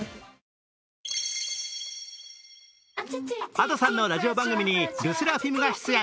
Ａｄｏさんのラジオ番組にＬＥＳＳＥＲＡＦＩＭが出演。